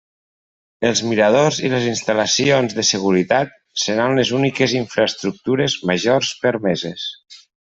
Els miradors i les instal·lacions de seguretat seran les úniques infraestructures majors permeses.